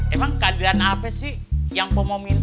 emang keadilan apa sih yang pak mau minta